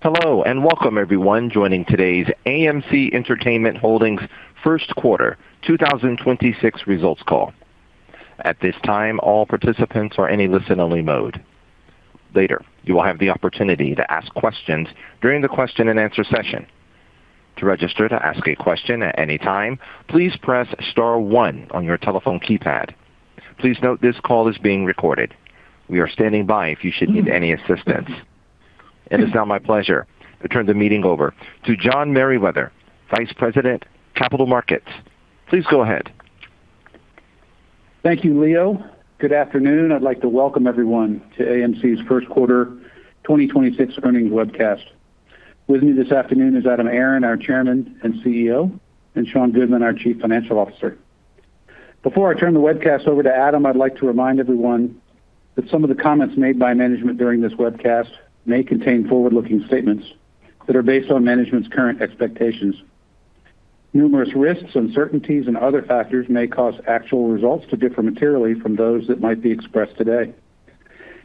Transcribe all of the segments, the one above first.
Hello, welcome everyone joining today's AMC Entertainment Holdings first quarter 2026 results call. It is now my pleasure to turn the meeting over to John Merriwether, Vice President, Capital Markets. Please go ahead. Thank you, Leo. Good afternoon. I'd like to welcome everyone to AMC's first quarter 2026 earnings webcast. With me this afternoon is Adam Aron, our Chairman and CEO, and Sean Goodman, our Chief Financial Officer. Before I turn the webcast over to Adam, I'd like to remind everyone that some of the comments made by management during this webcast may contain forward-looking statements that are based on management's current expectations. Numerous risks, uncertainties, and other factors may cause actual results to differ materially from those that might be expressed today.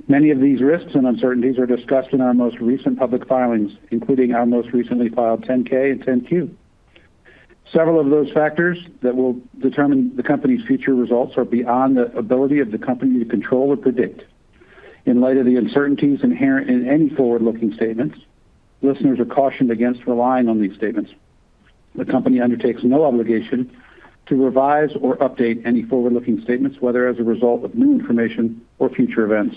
Many of these risks and uncertainties are discussed in our most recent public filings, including our most recently filed 10-K and 10-Q. Several of those factors that will determine the company's future results are beyond the ability of the company to control or predict. In light of the uncertainties inherent in any forward-looking statements, listeners are cautioned against relying on these statements. The company undertakes no obligation to revise or update any forward-looking statements, whether as a result of new information or future events.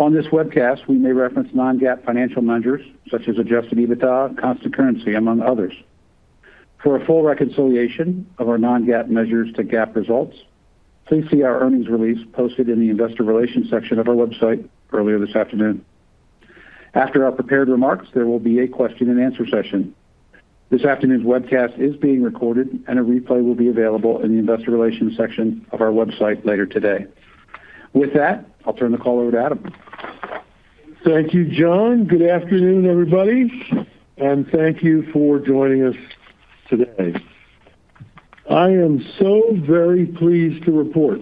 On this webcast, we may reference non-GAAP financial measures such as Adjusted EBITDA, constant currency, among others. For a full reconciliation of our non-GAAP measures to GAAP results, please see our earnings release posted in the investor relations section of our website earlier this afternoon. After our prepared remarks, there will be a question and answer session. This afternoon's webcast is being recorded, and a replay will be available in the investor relations section of our website later today. With that, I'll turn the call over to Adam. Thank you, John. Good afternoon, everybody, and thank you for joining us today. I am so very pleased to report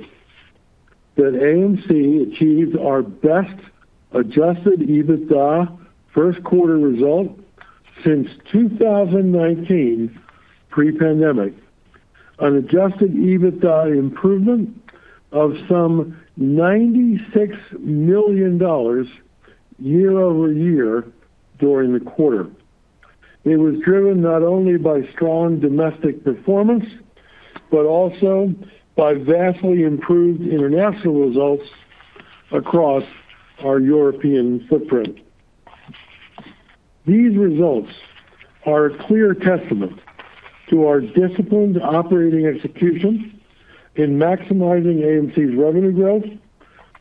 that AMC achieved our best Adjusted EBITDA first quarter result since 2019 pre-pandemic. An Adjusted EBITDA improvement of some $96 million year-over-year during the quarter. It was driven not only by strong domestic performance, but also by vastly improved international results across our European footprint. These results are a clear testament to our disciplined operating execution in maximizing AMC's revenue growth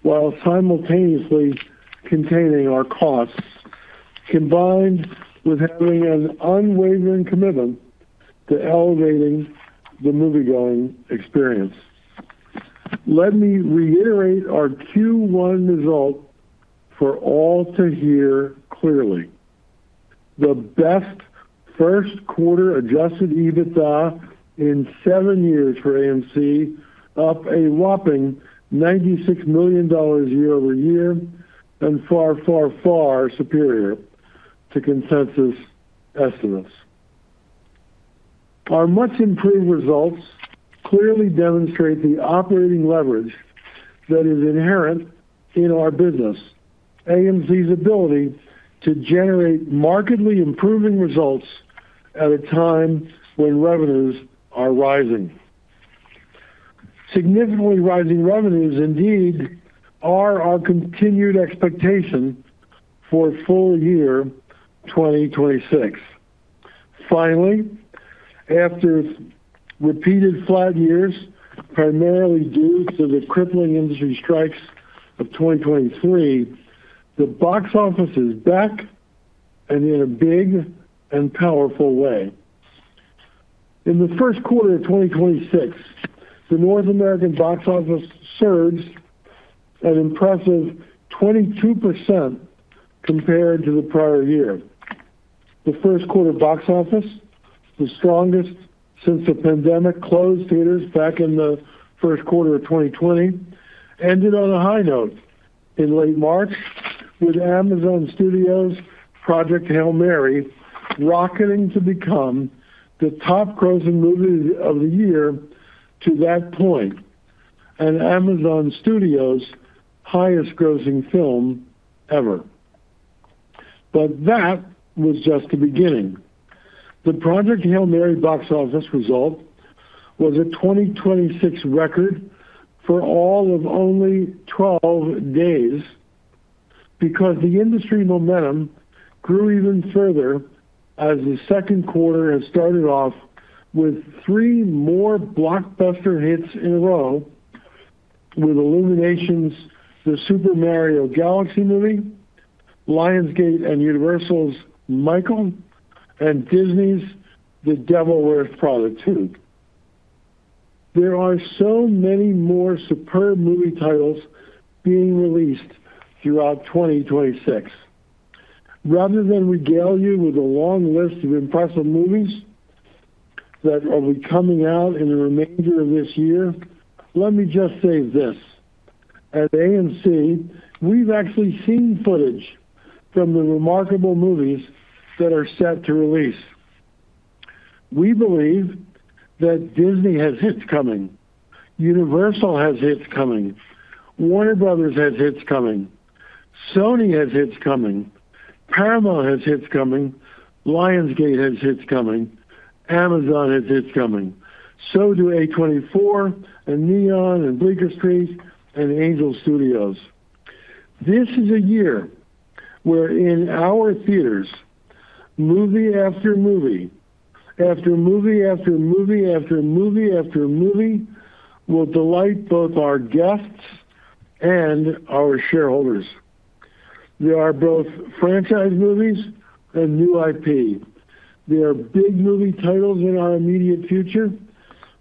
while simultaneously containing our costs, combined with having an unwavering commitment to elevating the moviegoing experience. Let me reiterate our Q1 result for all to hear clearly. The best first quarter Adjusted EBITDA in seven years for AMC, up a whopping $96 million year-over-year and far, far, far superior to consensus estimates. Our much improved results clearly demonstrate the operating leverage that is inherent in our business, AMC's ability to generate markedly improving results at a time when revenues are rising. Significantly rising revenues indeed are our continued expectation for full year 2026. Finally, after repeated flat years, primarily due to the crippling industry strikes of 2023, the box office is back and in a big and powerful way. In the first quarter of 2026, the North American box office surged an impressive 22% compared to the prior year. The first quarter box office, the strongest since the pandemic closed theaters back in the first quarter of 2020, ended on a high note in late March with Amazon Studios' Project Hail Mary rocketing to become the top-grossing movie of the year to that point and Amazon Studios' highest-grossing film ever. That was just the beginning. The Project Hail Mary box office result was a 2026 record for all of only 12 days because the industry momentum grew even further as the second quarter had started off with three more blockbuster hits in a row with Illumination's The Super Mario Galaxy Movie, Lionsgate and Universal's Michael, and Disney's The Devil Wears Prada 2. There are so many more superb movie titles being released throughout 2026. Rather than regale you with a long list of impressive movies that will be coming out in the remainder of this year, let me just say this. At AMC, we've actually seen footage from the remarkable movies that are set to release. We believe that Disney has hits coming, Universal has hits coming, Warner Bros has hits coming, Sony has hits coming, Paramount has hits coming, Lionsgate has hits coming, Amazon has hits coming. Do A24 and Neon and Bleecker Street and Angel Studios. This is a year where in our theaters, movie after movie after movie after movie after movie after movie will delight both our guests and our shareholders. They are both franchise movies and new IP. They are big movie titles in our immediate future,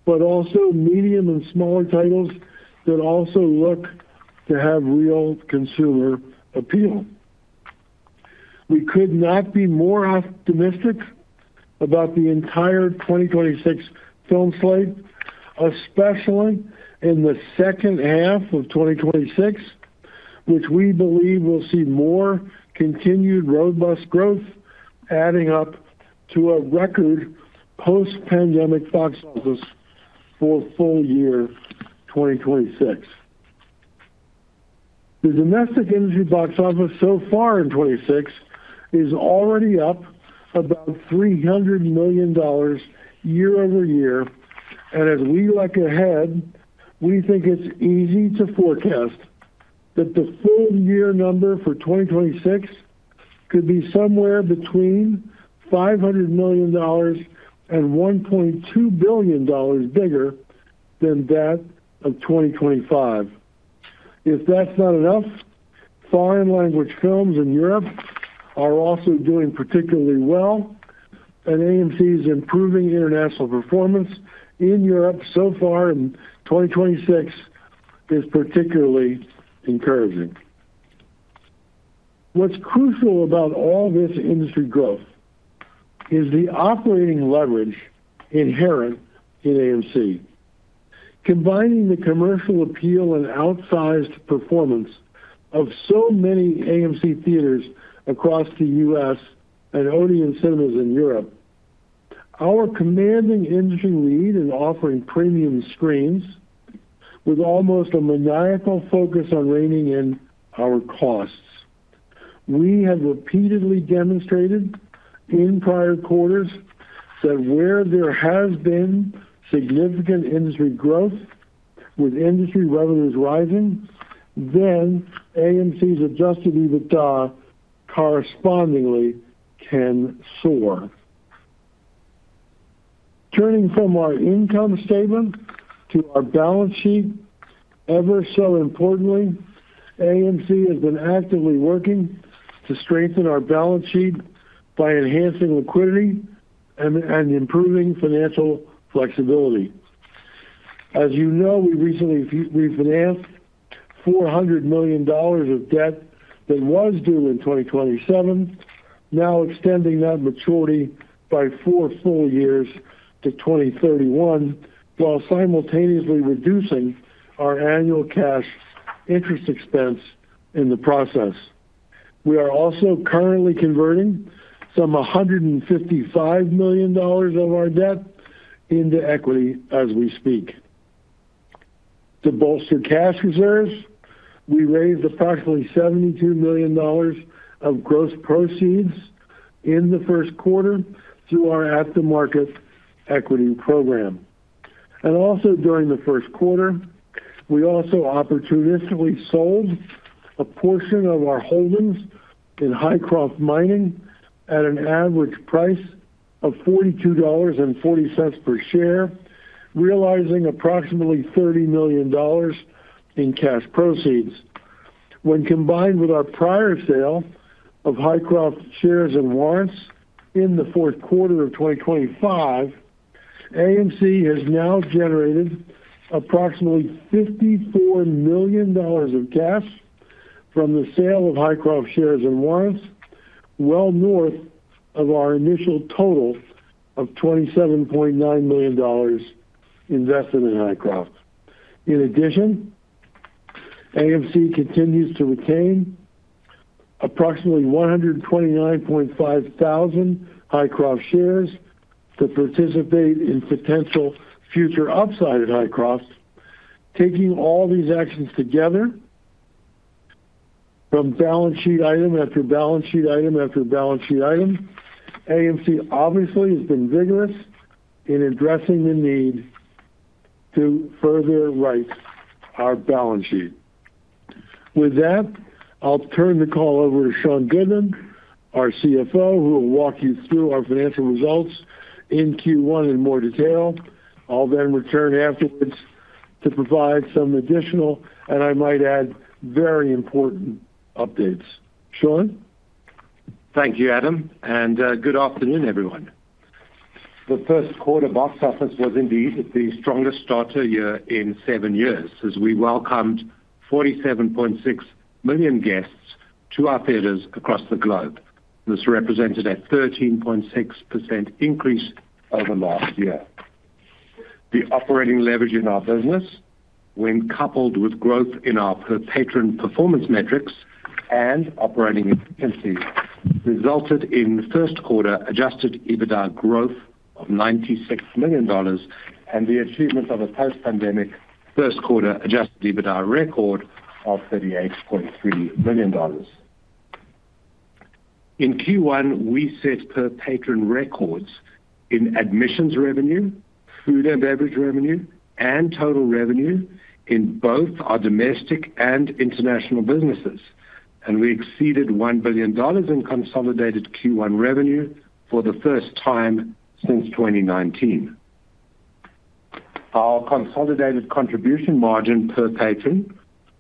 but also medium and smaller titles that also look to have real consumer appeal. We could not be more optimistic about the entire 2026 film slate, especially in the second half of 2026, which we believe will see more continued robust growth adding up to a record post-pandemic box office for full year 2026. The domestic industry box office so far in 2026 is already up about $300 million year-over-year. As we look ahead, we think it's easy to forecast that the full year number for 2026 could be somewhere between $500 million and $1.2 billion bigger than that of 2025. If that's not enough, foreign language films in Europe are also doing particularly well, and AMC's improving international performance in Europe so far in 2026 is particularly encouraging. Crucial about all this industry growth is the operating leverage inherent in AMC. Combining the commercial appeal and outsized performance of so many AMC Theatres across the U.S. and Odeon Cinemas in Europe, our commanding industry lead in offering premium screens with almost a maniacal focus on reining in our costs. We have repeatedly demonstrated in prior quarters that where there has been significant industry growth with industry revenues rising, then AMC's Adjusted EBITDA correspondingly can soar. Turning from our income statement to our balance sheet, ever so importantly, AMC has been actively working to strengthen our balance sheet by enhancing liquidity and improving financial flexibility. As you know, we recently refinanced $400 million of debt that was due in 2027, now extending that maturity by four full years to 2031, while simultaneously reducing our annual cash interest expense in the process. We are also currently converting some $155 million of our debt into equity as we speak. To bolster cash reserves, we raised approximately $72 million of gross proceeds in the first quarter through our at-the-market equity program. Also during the first quarter, we also opportunistically sold a portion of our holdings in Hycroft Mining at an average price of $42.40 per share, realizing approximately $30 million in cash proceeds. When combined with our prior sale of Hycroft shares and warrants in the fourth quarter of 2025, AMC has now generated approximately $54 million of cash from the sale of Hycroft shares and warrants, well north of our initial total of $27.9 million invested in Hycroft. AMC continues to retain approximately 129,500 Hycroft shares to participate in potential future upside at Hycroft. Taking all these actions together from balance sheet item after balance sheet item after balance sheet item, AMC obviously has been vigorous in addressing the need to further right our balance sheet. I'll turn the call over to Sean Goodman, our CFO, who will walk you through our financial results in Q1 in more detail. I'll return afterwards to provide some additional, and I might add, very important updates. Sean? Thank you, Adam, good afternoon, everyone. The first quarter box office was indeed the strongest start to year in seven years as we welcomed 47.6 million guests to our theaters across the globe. This represented a 13.6% increase over last year. The operating leverage in our business when coupled with growth in our per-patron performance metrics and operating efficiency resulted in first quarter Adjusted EBITDA growth of $96 million and the achievement of a post-pandemic first quarter Adjusted EBITDA record of $38.3 million. In Q1, we set per-patron records in admissions revenue, food and beverage revenue, and total revenue in both our domestic and international businesses. We exceeded $1 billion in consolidated Q1 revenue for the first time since 2019. Our consolidated contribution margin per patron,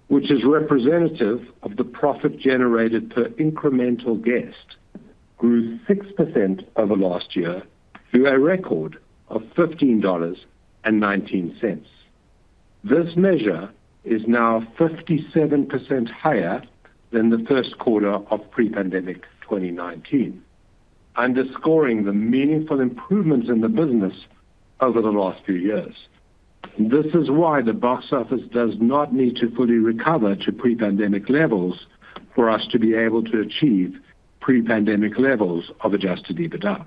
which is representative of the profit generated per incremental guest, grew 6% over last year to a record of $15.19. This measure is now 57% higher than the first quarter of pre-pandemic 2019, underscoring the meaningful improvements in the business over the last few years. This is why the box office does not need to fully recover to pre-pandemic levels for us to be able to achieve pre-pandemic levels of Adjusted EBITDA.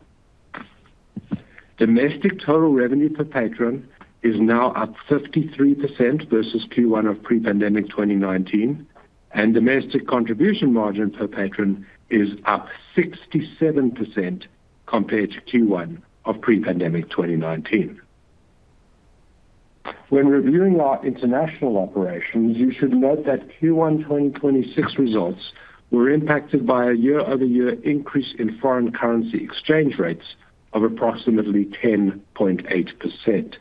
Domestic total revenue per patron is now up 53% versus Q1 of pre-pandemic 2019, and domestic contribution margin per patron is up 67% compared to Q1 of pre-pandemic 2019. When reviewing our international operations, you should note that Q1 2026 results were impacted by a year-over-year increase in foreign currency exchange rates of approximately 10.8%.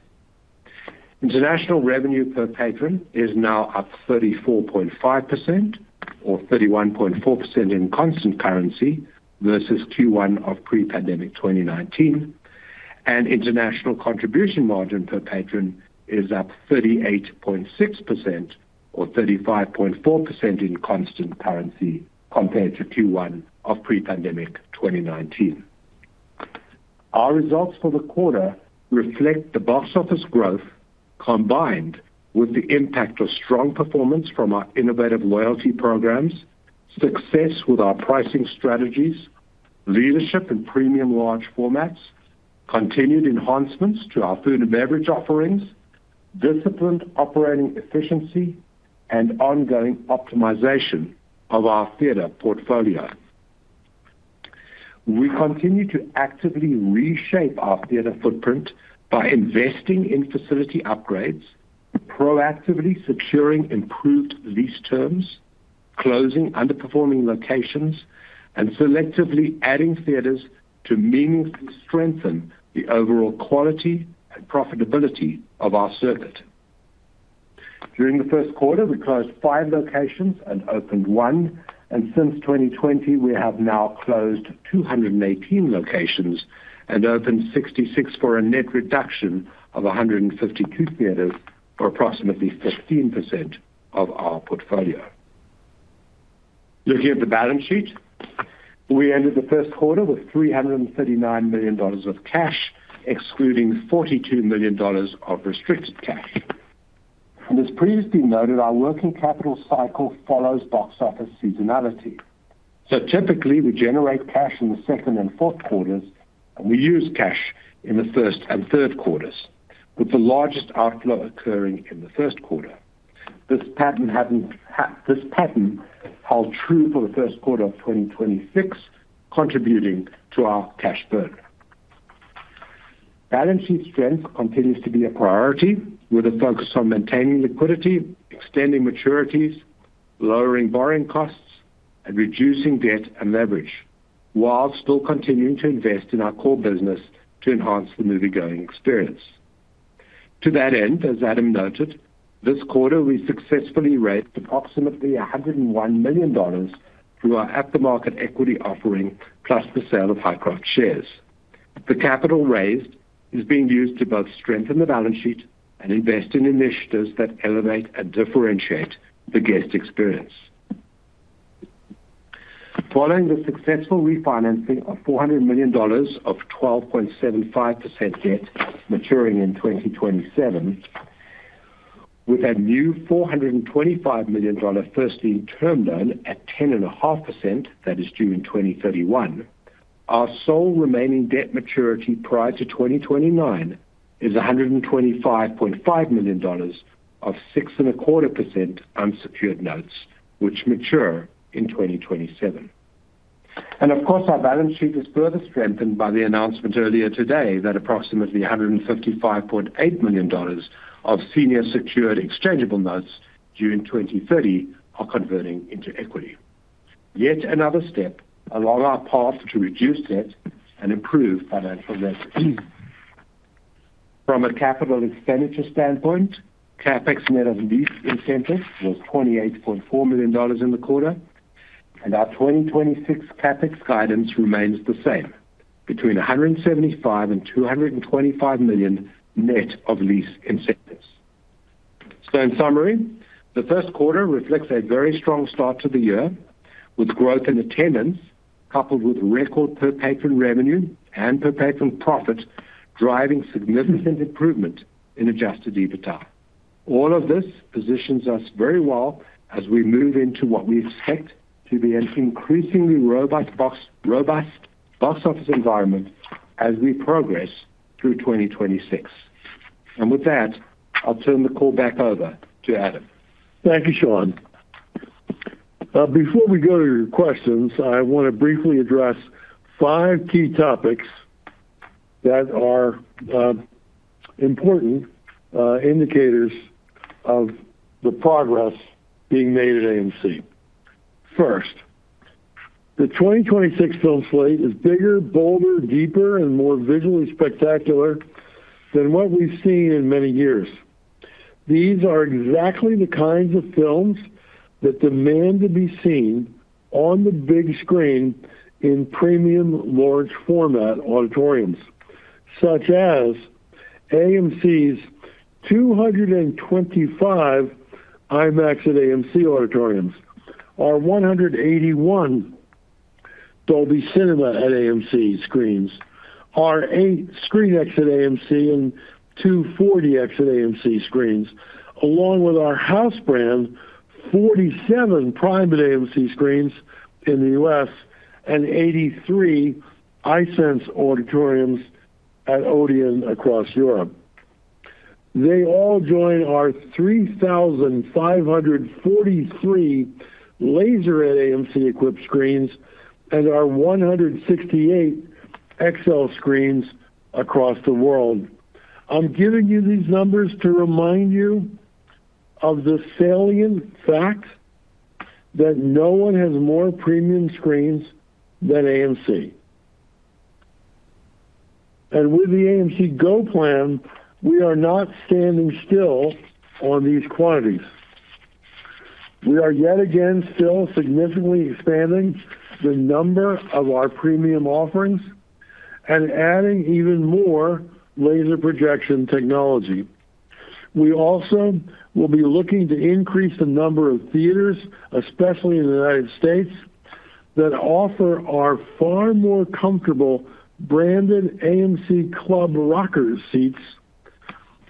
International revenue per patron is now up 34.5% or 31.4% in constant currency versus Q1 of pre-pandemic 2019. International contribution margin per patron is up 38.6% or 35.4% in constant currency compared to Q1 of pre-pandemic 2019. Our results for the quarter reflect the box office growth combined with the impact of strong performance from our innovative loyalty programs, success with our pricing strategies, leadership in premium large formats, continued enhancements to our food and beverage offerings, disciplined operating efficiency, and ongoing optimization of our theater portfolio. We continue to actively reshape our theater footprint by investing in facility upgrades, proactively securing improved lease terms, closing underperforming locations, and selectively adding theaters to meaningfully strengthen the overall quality and profitability of our circuit. During the first quarter, we closed five locations and opened one. Since 2020, we have now closed 218 locations and opened 66 for a net reduction of 152 theaters, or approximately 15% of our portfolio. Looking at the balance sheet, we ended the first quarter with $339 million of cash, excluding $42 million of restricted cash. As previously noted, our working capital cycle follows box office seasonality. Typically, we generate cash in the second and fourth quarters, and we use cash in the first and third quarters, with the largest outflow occurring in the first quarter. This pattern held true for the first quarter of 2026, contributing to our cash burn. Balance sheet strength continues to be a priority, with a focus on maintaining liquidity, extending maturities, lowering borrowing costs, and reducing debt and leverage while still continuing to invest in our core business to enhance the moviegoing experience. To that end, as Adam noted, this quarter we successfully raised approximately $101 million through our at-the-market equity offering, plus the sale of Hycroft shares. The capital raised is being used to both strengthen the balance sheet and invest in initiatives that elevate and differentiate the guest experience. Following the successful refinancing of $400 million of 12.75% debt maturing in 2027, with a new $425 million first lien term loan at 10.5% that is due in 2031, our sole remaining debt maturity prior to 2029 is $125.5 million of 6.25% unsecured notes, which mature in 2027. Of course, our balance sheet is further strengthened by the announcement earlier today that approximately $155.8 million of senior secured exchangeable notes due in 2030 are converting into equity. Yet another step along our path to reduce debt and improve financial metrics. From a capital expenditure standpoint, CapEx net of lease incentives was $28.4 million in the quarter, and our 2026 CapEx guidance remains the same, between $175 million and $225 million net of lease incentives. In summary, the first quarter reflects a very strong start to the year with growth in attendance coupled with record per patron revenue and per patron profit driving significant improvement in Adjusted EBITDA. All of this positions us very well as we move into what we expect to be an increasingly robust box office environment as we progress through 2026. With that, I'll turn the call back over to Adam. Thank you, Sean. Before we go to your questions, I want to briefly address five key topics that are important indicators of the progress being made at AMC. First, the 2026 film slate is bigger, bolder, deeper and more visually spectacular than what we've seen in many years. These are exactly the kinds of films that demand to be seen on the big screen in premium large format auditoriums, such as AMC's 225 IMAX at AMC auditoriums, our 181 Dolby Cinema at AMC screens, our eight ScreenX at AMC and two 4DX at AMC screens, along with our house brand 47 PRIME at AMC screens in the U.S. and 83 iSENSE auditoriums at ODEON across Europe. They all join our 3,543 Laser at AMC-equipped screens and our 168 XL screens across the world. I'm giving you these numbers to remind you of the salient fact that no one has more premium screens than AMC. With the AMC Go Plan, we are not standing still on these quantities. We are yet again still significantly expanding the number of our premium offerings and adding even more laser projection technology. We also will be looking to increase the number of theaters, especially in the U.S., that offer our far more comfortable branded AMC Club Rocker seats,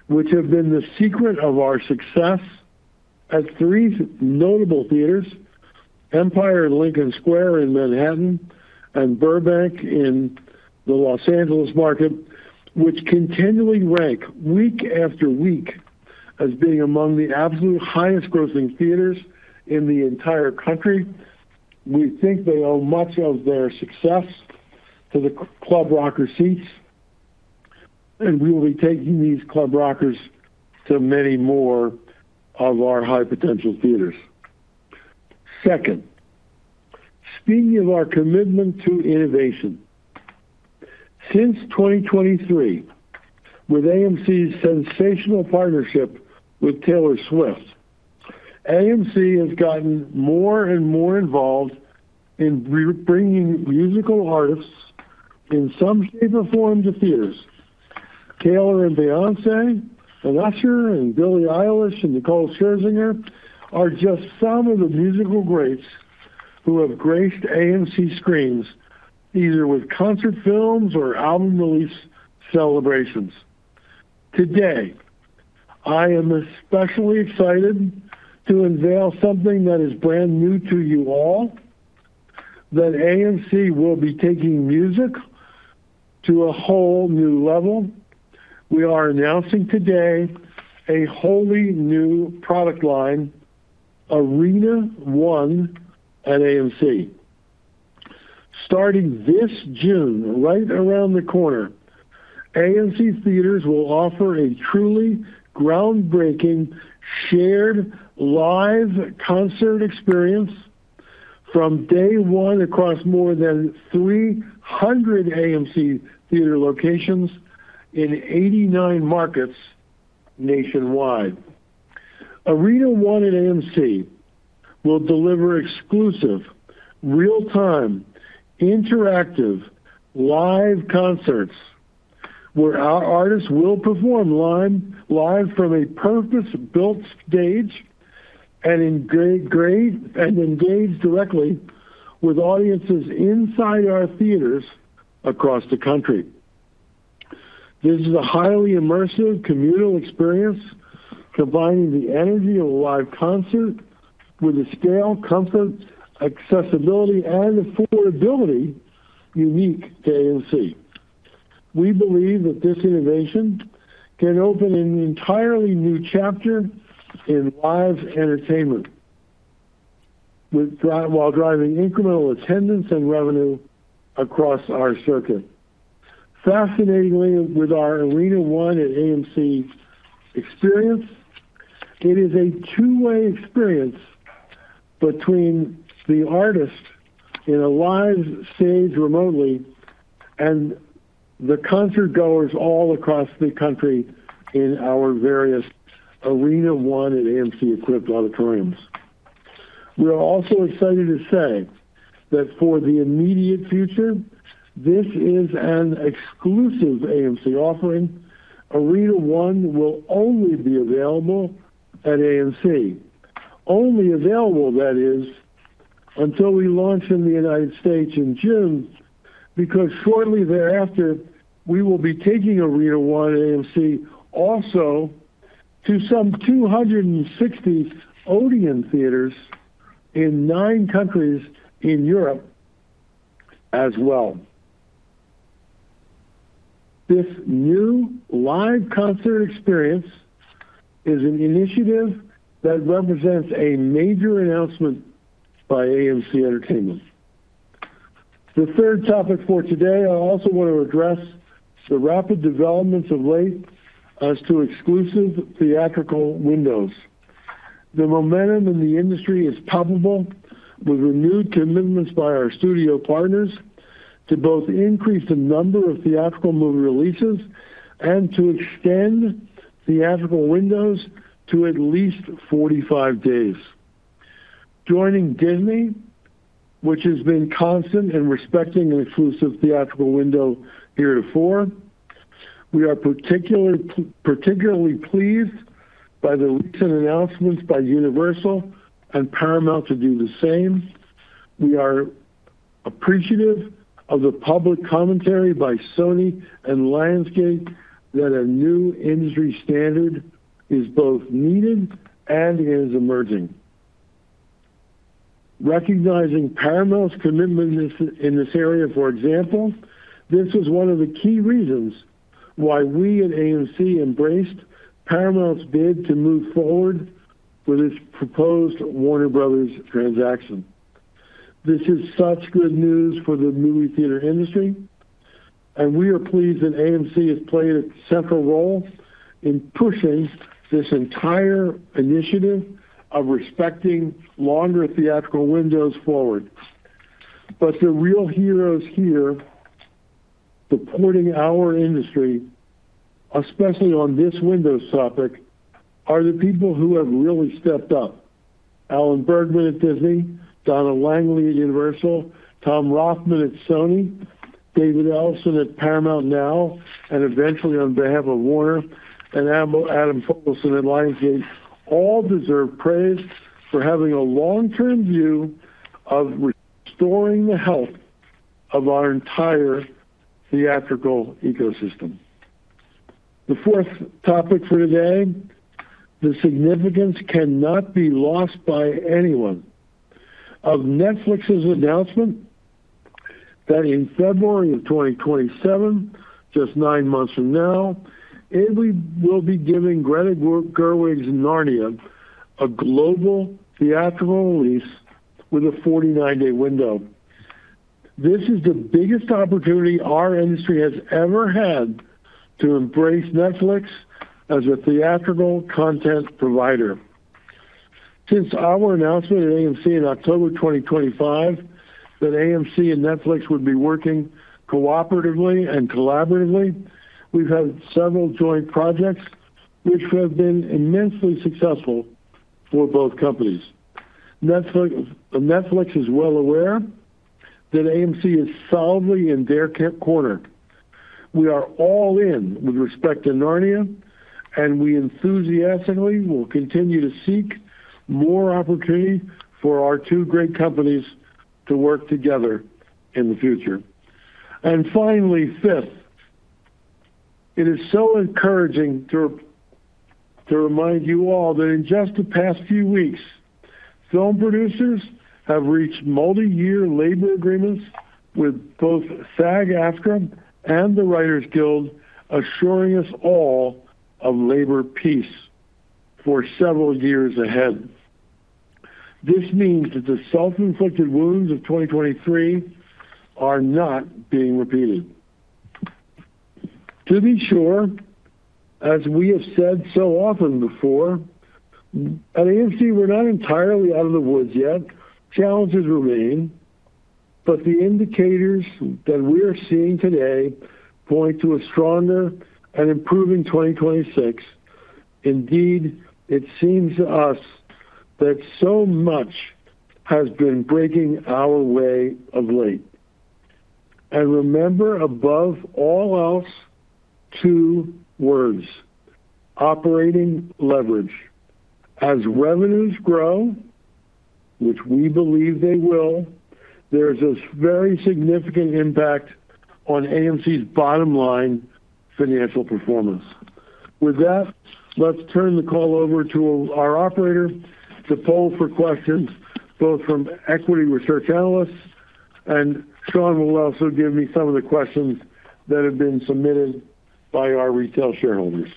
which have been the secret of our success at 3 notable theaters, Empire and Lincoln Square in Manhattan and Burbank in the Los Angeles market, which continually rank week after week as being among the absolute highest grossing theaters in the entire country. We think they owe much of their success to the AMC Club Rocker seats, and we will be taking these Club Rockers to many more of our high-potential theaters. Second, speaking of our commitment to innovation, since 2023, with AMC's sensational partnership with Taylor Swift, AMC has gotten more and more involved in re-bringing musical artists in some shape or form to theaters. Taylor and Beyoncé and Usher and Billie Eilish and Nicole Scherzinger are just some of the musical greats who have graced AMC screens, either with concert films or album release celebrations. Today, I am especially excited to unveil something that is brand new to you all, that AMC will be taking music to a whole new level. We are announcing today a wholly new product line, Arena One at AMC. Starting this June, right around the corner, AMC Theatres will offer a truly groundbreaking shared live concert experience from day one across more than 300 AMC Theatres locations in 89 markets nationwide. Arena One at AMC will deliver exclusive, real-time, interactive, live concerts where our artists will perform live from a purpose-built stage and engage and engage directly with audiences inside our theatres across the country. This is a highly immersive communal experience combining the energy of a live concert with the scale, comfort, accessibility, and affordability unique to AMC. We believe that this innovation can open an entirely new chapter in live entertainment while driving incremental attendance and revenue across our circuit. Fascinatingly, with our Arena One at AMC experience, it is a two-way experience between the artist in a live stage remotely and the concertgoers all across the country in our various Arena One at AMC-equipped auditoriums. We are also excited to say that for the immediate future, this is an exclusive AMC offering. Arena One will only be available at AMC. Only available, that is, until we launch in the United States in June, because shortly thereafter, we will be taking Arena One AMC also to some 260 Odeon theaters in nine countries in Europe as well. This new live concert experience is an initiative that represents a major announcement by AMC Entertainment. The third topic for today, I also want to address the rapid developments of late as to exclusive theatrical windows. The momentum in the industry is palpable with renewed commitments by our studio partners to both increase the number of theatrical movie releases and to extend theatrical windows to at least 45 days. Joining Disney, which has been constant in respecting an exclusive theatrical window heretofore, we are particularly pleased by the recent announcements by Universal and Paramount to do the same. We are appreciative of the public commentary by Sony and Lionsgate that a new industry standard is both needed and is emerging. Recognizing Paramount's commitment in this area, for example, this is one of the key reasons why we at AMC embraced Paramount's bid to move forward with its proposed Warner Brothers transaction. This is such good news for the movie theater industry. We are pleased that AMC has played a central role in pushing this entire initiative of respecting longer theatrical windows forward. The real heroes here supporting our industry, especially on this windows topic, are the people who have really stepped up. Alan Bergman at Disney, Donna Langley at Universal, Tom Rothman at Sony, David Ellison at Paramount now, and eventually on behalf of Warner, and Adam Fogelson at Lionsgate all deserve praise for having a long-term view of restoring the health of our entire theatrical ecosystem. The fourth topic for today, the significance cannot be lost by anyone of Netflix's announcement that in February of 2027, just nine months from now, it will be giving Greta Gerwig's Narnia a global theatrical release with a 49-day window. This is the biggest opportunity our industry has ever had to embrace Netflix as a theatrical content provider. Since our announcement at AMC in October 2025 that AMC and Netflix would be working cooperatively and collaboratively, we've had several joint projects which have been immensely successful for both companies. Netflix is well aware that AMC is solidly in their corner. We are all in with respect to Narnia, we enthusiastically will continue to seek more opportunities for our two great companies to work together in the future. Finally, fifth, it is so encouraging to remind you all that in just the past few weeks, film producers have reached multi-year labor agreements with both SAG-AFTRA and the Writers Guild, assuring us all of labor peace for several years ahead. This means that the self-inflicted wounds of 2023 are not being repeated. To be sure, as we have said so often before, at AMC we're not entirely out of the woods yet. Challenges remain, but the indicators that we are seeing today point to a stronger and improving 2026. Indeed, it seems to us that so much has been breaking our way of late. Remember above all else two words: operating leverage. As revenues grow, which we believe they will, there's this very significant impact on AMC's bottom line financial performance. With that, let's turn the call over to our operator to poll for questions both from equity research analysts, and Sean will also give me some of the questions that have been submitted by our retail shareholders.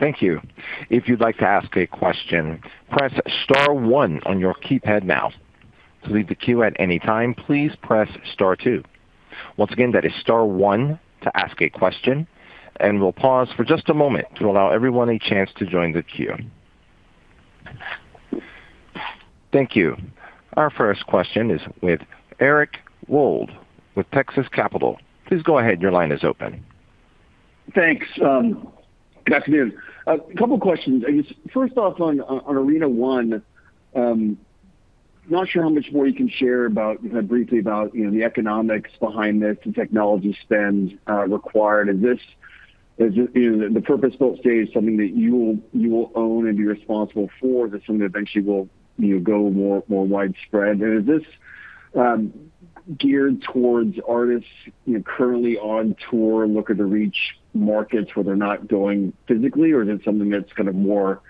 Thank you. If you would like to ask a question, press star one on your keypad now. To leave the queue at any time, please press star two. Once again that is star one to ask a question, and we'll pause for just a moment to allow everyone a chance to join the queue. Thank you. Our first question is with Eric Wold with Texas Capital. Please go ahead. Your line is open. Thanks. Good afternoon. A couple questions. I guess first off on Arena One, not sure how much more you can share about briefly about the economics behind this, the technology spend required. Is the purpose-built stage something that you will own and be responsible for? Is this something that eventually will go more widespread? Is this geared towards artists currently on tour looking to reach markets where they're not going physically, or is it something that's kind of more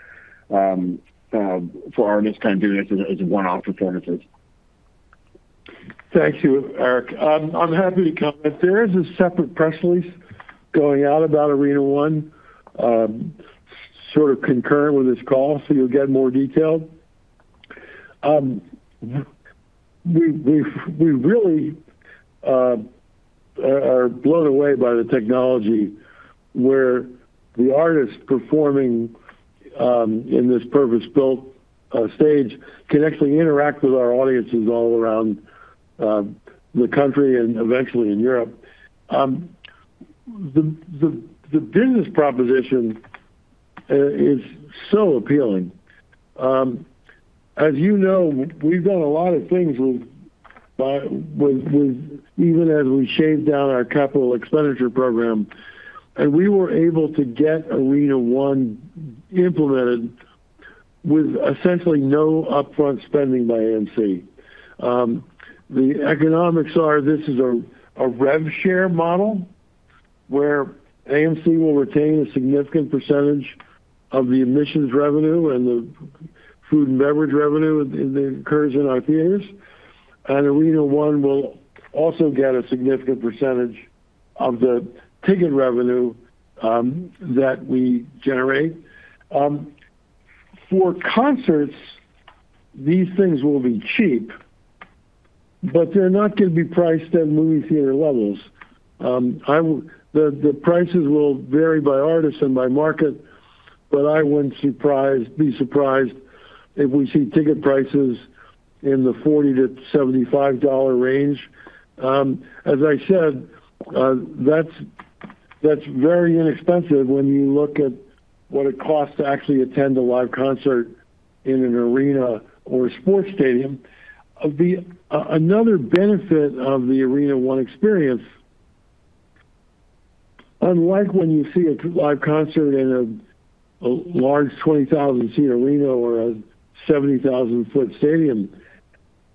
for artists kind of doing this as a one-off opportunity? Thank you, Eric. I'm happy to comment. There is a separate press release going out about Arena One, sort of concurrent with this call, so you'll get more detail. We've, we really are blown away by the technology where the artist performing in this purpose-built stage can actually interact with our audiences all around the country and eventually in Europe. The business proposition is so appealing. As you know, we've done a lot of things with even as we shaved down our capital expenditure program, and we were able to get Arena One implemented with essentially no upfront spending by AMC. The economics are this is a rev share model where AMC will retain a significant percentage of the admissions revenue and the food and beverage revenue that occurs in our theaters. Arena One will also get a significant percentage of the ticket revenue that we generate. For concerts, these things will be cheap, but they're not gonna be priced at movie theater levels. The prices will vary by artist and by market, but I wouldn't be surprised if we see ticket prices in the $40-$75 range. As I said, that's very inexpensive when you look at what it costs to actually attend a live concert in an arena or a sports stadium. Another benefit of the Arena One experience, unlike when you see a live concert in a large 20,000-seat arena or a 70,000 ft stadium,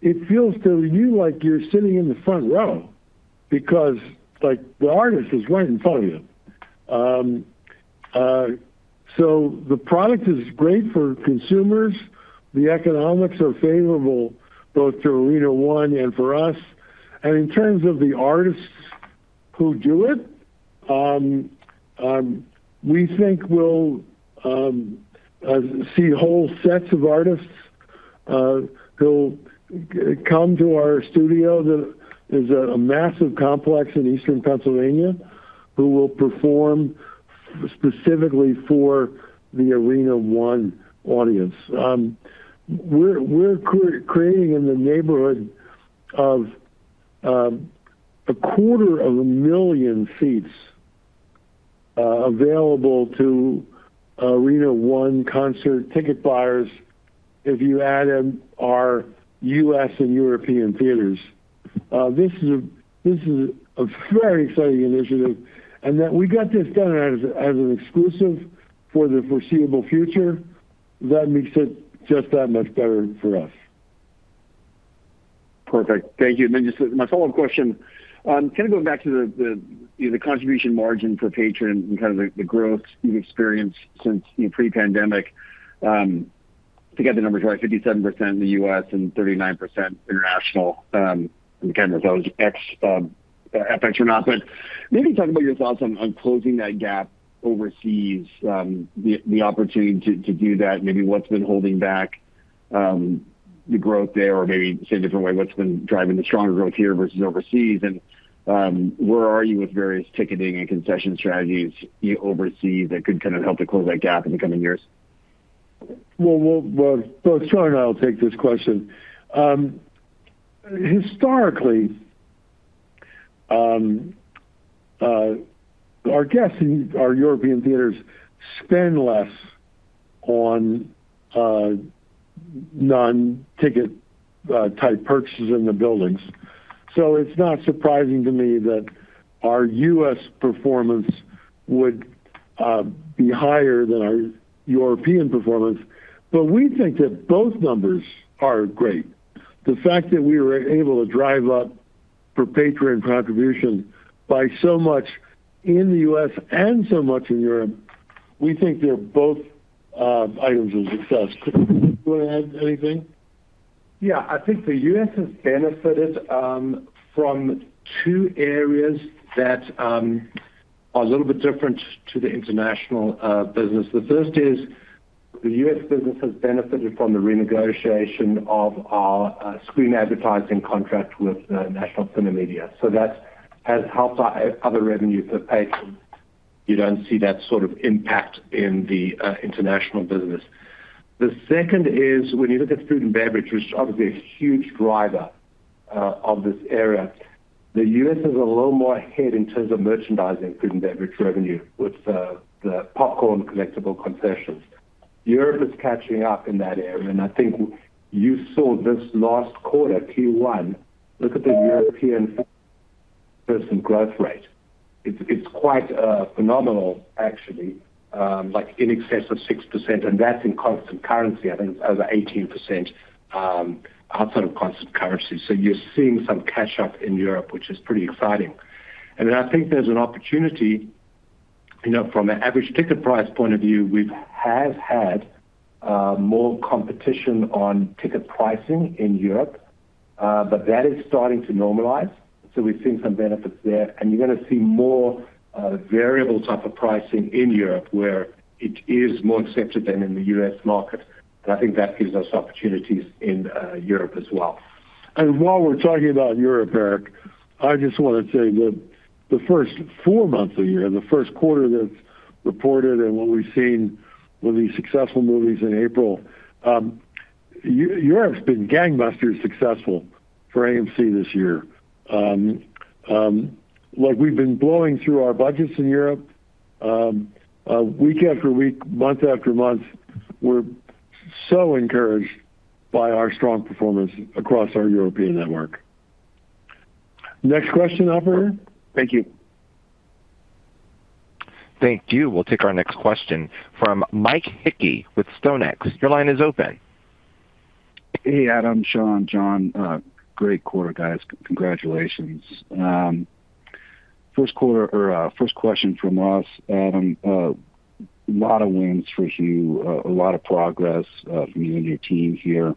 it feels to you like you're sitting in the front row because the artist is right in front of you. The product is great for consumers. The economics are favorable both to Arena One and for us. In terms of the artists who do it, we think we'll see whole sets of artists who'll come to our studio that is a massive complex in Eastern Pennsylvania, who will perform specifically for the Arena One audience. We're creating in the neighborhood of a quarter of a million seats available to Arena One concert ticket buyers if you add in our U.S. and European theaters. This is a very exciting initiative that we got this done as an exclusive for the foreseeable future, that makes it just that much better for us. Perfect. Thank you. Just my follow-up question, kind of going back to the, you know, the contribution margin per patron and kind of the growth you've experienced since, you know, pre-pandemic. I think I have the numbers right, 57% in the U.S. and 39% international. Again, if that was ex FX or not. Maybe talk about your thoughts on closing that gap overseas, the opportunity to do that, maybe what's been holding back the growth there or maybe say a different way, what's been driving the strong growth here versus overseas? Where are you with various ticketing and concession strategies you oversee that could kind of help to close that gap in the coming years? Well, both Sean and I will take this question. Historically, our guests in our European theaters spend less on non-ticket type purchases in the buildings. It's not surprising to me that our U.S. performance would be higher than our European performance. We think that both numbers are great. The fact that we were able to drive up per patron contribution by so much in the U.S. and so much in Europe, we think they're both items of success. Sean, do you want to add anything? Yeah. I think the U.S. has benefited from two areas that are a little bit different to the international business. The first is the U.S. business has benefited from the renegotiation of our screen advertising contract with National CineMedia. That has helped our other revenues per patron. You don't see that sort of impact in the international business. The second is when you look at food and beverage, which is obviously a huge driver of this area, the U.S. is a little more ahead in terms of merchandising food and beverage revenue with the popcorn collectible concessions. Europe is catching up in that area, and I think you saw this last quarter, Q1. Look at the European growth rate. It's quite phenomenal actually, like in excess of 6%, and that's in constant currency. I think it's over 18% outside of constant currency. You're seeing some catch up in Europe, which is pretty exciting. Then I think there's an opportunity, you know, from an average ticket price point of view. We have had more competition on ticket pricing in Europe, but that is starting to normalize, so we've seen some benefits there. You're gonna see more variable type of pricing in Europe where it is more accepted than in the U.S. market, and I think that gives us opportunities in Europe as well. While we're talking about Europe, Eric, I just wanna say that the first four months of the year, the first quarter that's reported and what we've seen with these successful movies in April, Europe's been gangbuster successful for AMC this year. Like we've been blowing through our budgets in Europe, week after week, month after month. We're so encouraged by our strong performance across our European network. Next question, operator. Thank you. Thank you. We'll take our next question from Mike Hickey with StoneX. Your line is open. Hey, Adam, Sean, John. Great quarter, guys. Congratulations. First quarter or first question from us, Adam. A lot of wins for you, a lot of progress from you and your team here.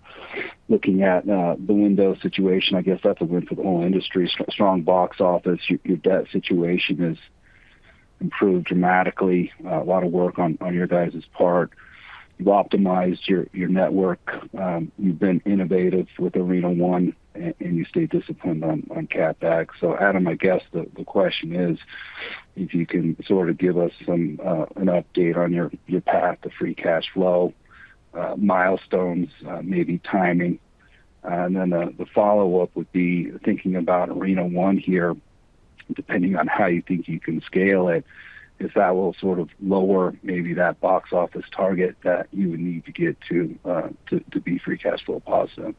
Looking at the window situation, I guess that's a win for the whole industry. Strong box office. Your debt situation has improved dramatically, a lot of work on your guys' part. You've optimized your network. You've been innovative with Arena One, and you stayed disciplined on CapEx. Adam, I guess the question is if you can sort of give us some an update on your path to free cash flow, milestones, maybe timing. The follow-up would be thinking about Arena One here, depending on how you think you can scale it, if that will sort of lower maybe that box office target that you would need to get to to be free cash flow positive.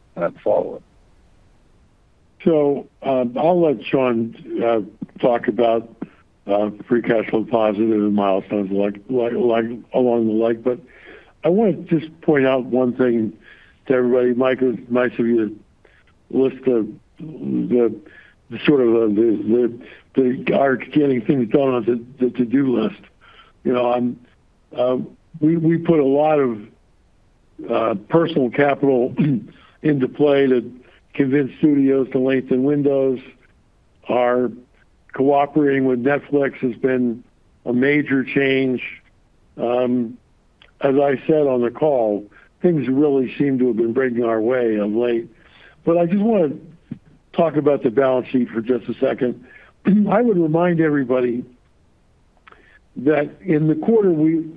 The follow-up. I'll let Sean talk about free cash flow positive and milestones like along the like. I wanna just point out one thing to everybody. Mike, nice of you to list the sort of the our getting things done on the to-do list. You know, I'm, we put a lot of personal capital into play to convince studios to lengthen windows. Our cooperating with Netflix has been a major change. As I said on the call, things really seem to have been breaking our way of late. I just wanna talk about the balance sheet for just a second. I would remind everybody that in the quarter we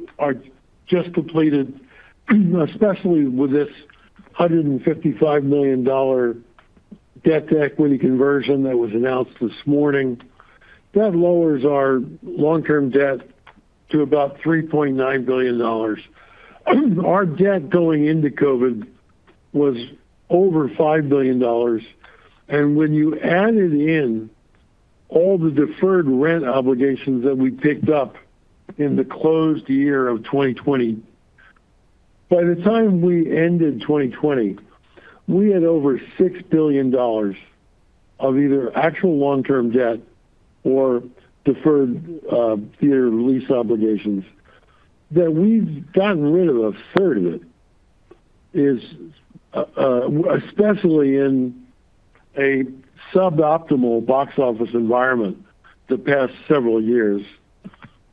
just completed, especially with this $155 million debt to equity conversion that was announced this morning, that lowers our long-term debt to about $3.9 billion. Our debt going into COVID was over $5 billion. When you added in all the deferred rent obligations that we picked up in the closed year of 2020, by the time we ended 2020, we had over $6 billion of either actual long-term debt or deferred theater lease obligations that we've gotten rid of a third of it is, especially in a suboptimal box office environment the past several years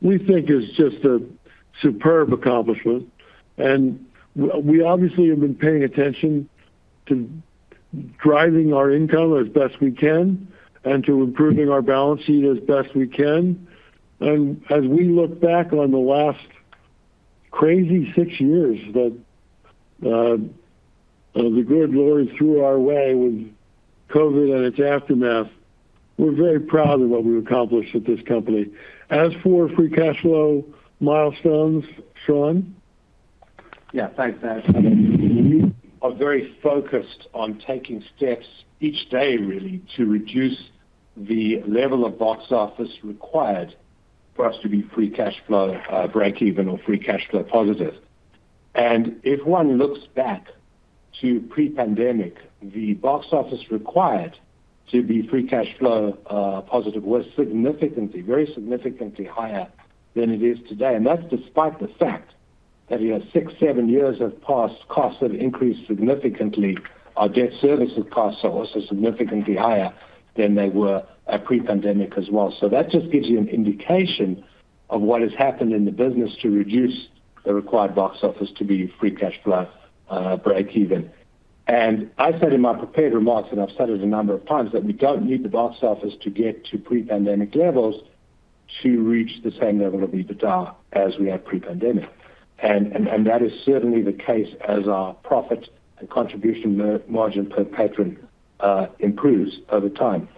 we think is just a superb accomplishment. We obviously have been paying attention to driving our income as best we can and to improving our balance sheet as best we can. As we look back on the last crazy six years that the good Lord threw our way with COVID and its aftermath, we're very proud of what we've accomplished at this company. As for free cash flow milestones, Sean? Thanks, Adam. We are very focused on taking steps each day really to reduce the level of box office required for us to be free cash flow breakeven or free cash flow positive. If one looks back to pre-pandemic, the box office required to be free cash flow positive was significantly, very significantly higher than it is today. That's despite the fact that you have six, seven years of past costs that have increased significantly. Our debt services costs are also significantly higher than they were at pre-pandemic as well. That just gives you an indication of what has happened in the business to reduce the required box office to be free cash flow breakeven. I said in my prepared remarks, and I've said it a number of times, that we don't need the box office to get to pre-pandemic levels to reach the same level of EBITDA as we had pre-pandemic. That is certainly the case as our profit and contribution margin per patron improves over time.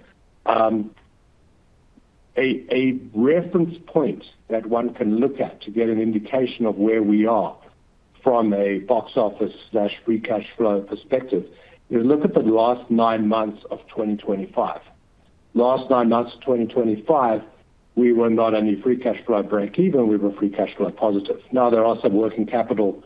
A reference point that one can look at to get an indication of where we are from a box office/free cash flow perspective is look at the last nine months of 2025. Last nine months of 2025, we were not only free cash flow breakeven, we were free cash flow positive. Now there are some working capital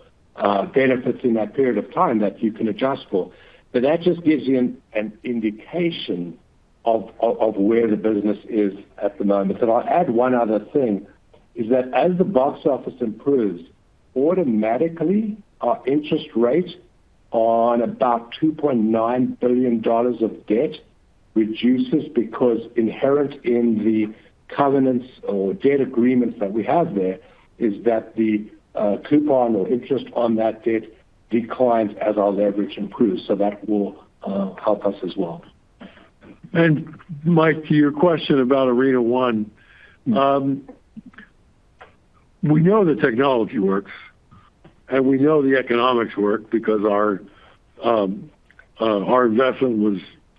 benefits in that period of time that you can adjust for, but that just gives you an indication of where the business is at the moment. I'll add one other thing, is that as the box office improves, automatically our interest rate on about $2.9 billion of debt reduces because inherent in the covenants or debt agreements that we have there is that the coupon or interest on that debt declines as our leverage improves. That will help us as well. Mike, to your question about Arena One. We know the technology works, and we know the economics work because our investment was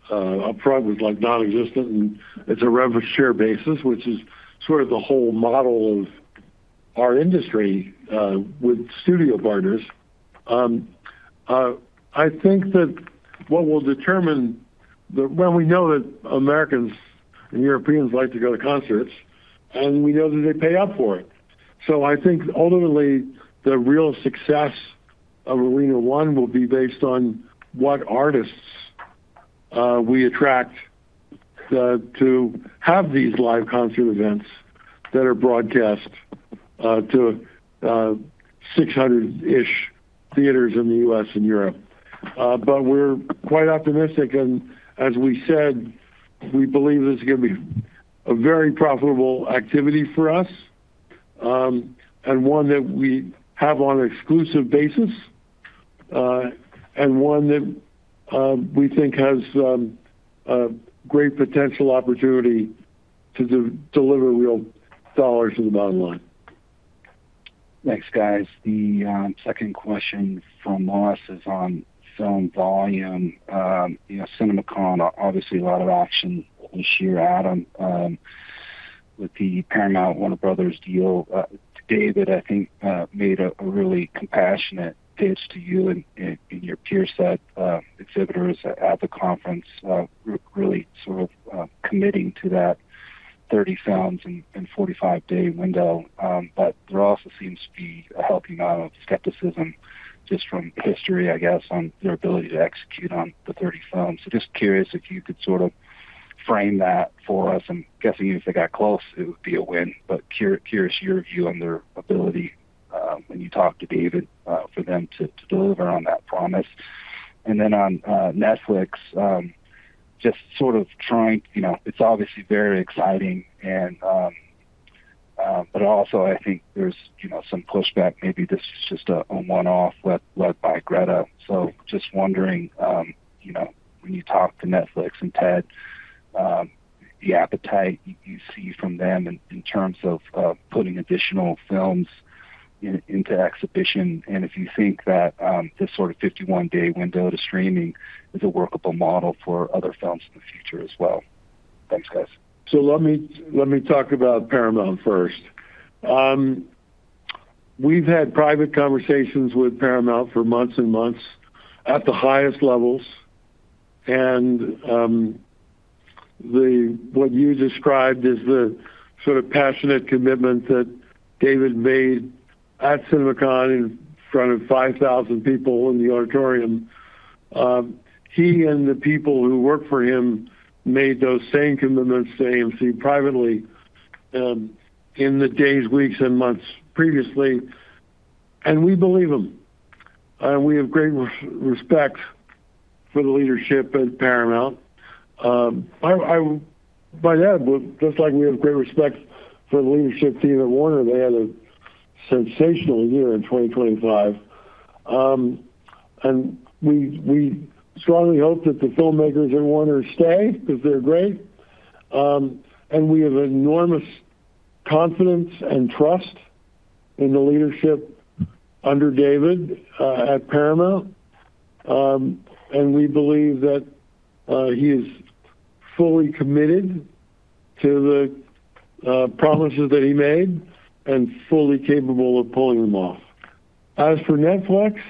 upfront was like nonexistent, and it's a revenue share basis, which is sort of the whole model of our industry with studio partners. I think that what will determine. Well, we know that Americans and Europeans like to go to concerts, and we know that they pay up for it. I think ultimately the real success of Arena One will be based on what artists we attract to have these live concert events that are broadcast to 600-ish theaters in the U.S. and Europe. We're quite optimistic, and as we said, we believe this is gonna be a very profitable activity for us, and one that we have on exclusive basis, and one that, we think has a great potential opportunity to deliver real dollars to the bottom line. Thanks, guys. Second question from us is on film volume. You know, CinemaCon, obviously a lot of action this year, Adam, with the Paramount/Warner Bros. deal. David, I think, made a really compassionate pitch to you and your peer set, exhibitors at the conference, really sort of committing to that 30 films and 45 day window. There also seems to be a healthy amount of skepticism just from history, I guess, on their ability to execute on the 30 films. Just curious if you could sort of frame that for us. I'm guessing even if they got close, it would be a win. Curious your view on their ability, when you talk to David, for them to deliver on that promise. On Netflix, You know, it's obviously very exciting and but also I think there's, you know, some pushback, maybe this is just a one-off led by Greta. Just wondering, you know, when you talk to Netflix and Ted, the appetite you see from them in terms of putting additional films into exhibition, and if you think that this sort of 51 day window to streaming is a workable model for other films in the future as well. Thanks, guys. Let me talk about Paramount first. We've had private conversations with Paramount for months and months at the highest levels. What you described as the sort of passionate commitment that David made at CinemaCon in front of 5,000 people in the auditorium, he and the people who work for him made those same commitments to AMC privately in the days, weeks, and months previously. We believe him. We have great respect for the leadership at Paramount. By that, just like we have great respect for the leadership team at Warner. They had a sensational year in 2025. We strongly hope that the filmmakers at Warner stay because they're great. We have enormous confidence and trust in the leadership under David at Paramount. We believe that he is fully committed to the promises that he made and fully capable of pulling them off. As for Netflix,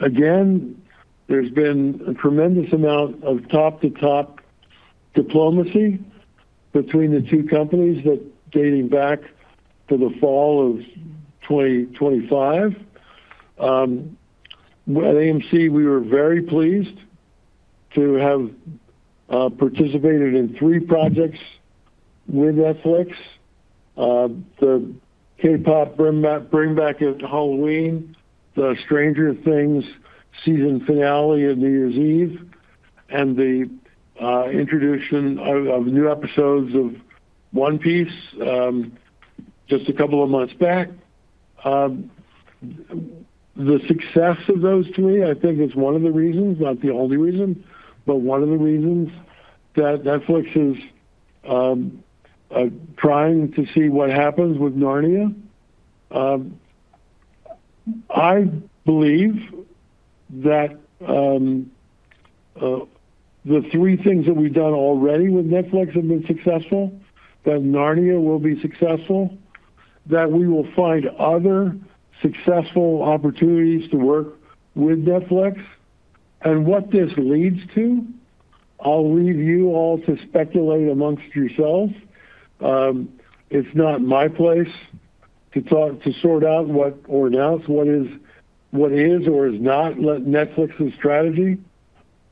again, there's been a tremendous amount of top-to-top diplomacy between the two companies that dating back to the fall of 2025. At AMC, we were very pleased to have participated in three projects with Netflix. The K-pop Bring Back at Halloween, the Stranger Things season finale at New Year's Eve, and the introduction of new episodes of One Piece, just a couple of months back. The success of those, to me, I think, is one of the reasons, not the only reason, but one of the reasons that Netflix is trying to see what happens with Narnia. I believe that the three things that we've done already with Netflix have been successful, that Narnia will be successful, that we will find other successful opportunities to work with Netflix. What this leads to, I'll leave you all to speculate amongst yourselves. It's not my place to sort out what or announce what is or is not Netflix's strategy.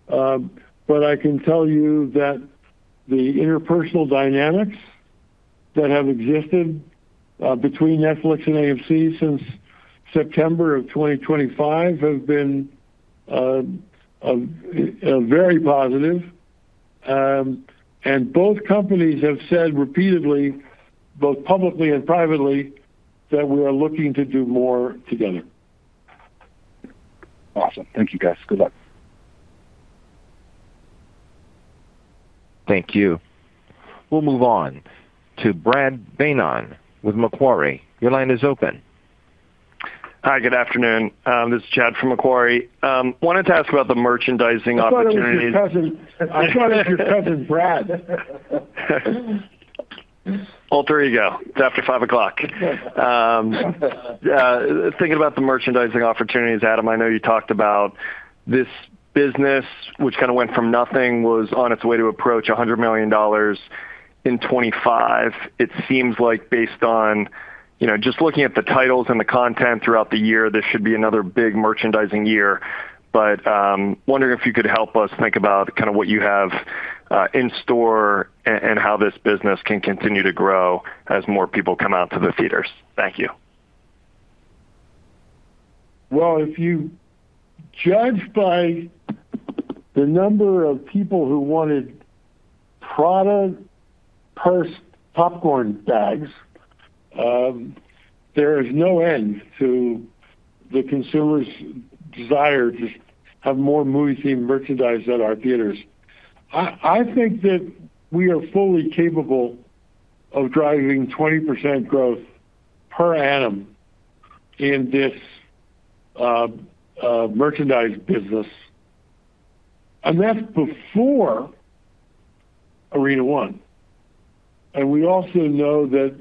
But I can tell you that the interpersonal dynamics that have existed between Netflix and AMC since September of 2025 have been very positive. Both companies have said repeatedly, both publicly and privately, that we are looking to do more together. Awesome. Thank you, guys. Good luck. Thank you. We'll move on to Chad Beynon with Macquarie. Your line is open. Hi, good afternoon. This is Chad from Macquarie. Wanted to ask about the merchandising opportunities. I thought it was your cousin. I thought it was your cousin Brad. Alter ego. It's after 5 o'clock. Thinking about the merchandising opportunities, Adam, I know you talked about this business, which kinda went from nothing, was on its way to approach $100 million in 2025. It seems like based on, you know, just looking at the titles and the content throughout the year, this should be another big merchandising year. Wondering if you could help us think about kinda what you have in store and how this business can continue to grow as more people come out to the theaters. Thank you. If you judge by the number of people who wanted Prada purse popcorn bags, there is no end to the consumer's desire to have more movie-themed merchandise at our theaters. I think that we are fully capable of driving 20% growth per annum in this merchandise business, that's before Arena One. We also know that